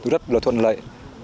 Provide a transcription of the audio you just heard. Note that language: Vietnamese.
rất là thuận lợi